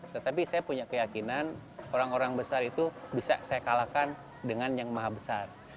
tetapi saya punya keyakinan orang orang besar itu bisa saya kalahkan dengan yang maha besar